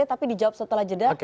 tapi dijawab setelah jeda